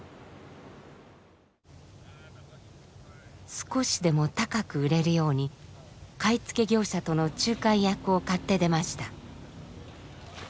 少しでも高く売れるように買い付け業者との仲介役を買って出ました。